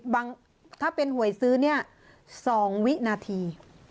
ถ้าเป็นหวยซื้อเนี่ย๒วินาที